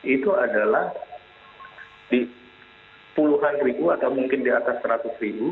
itu adalah di puluhan ribu atau mungkin di atas seratus ribu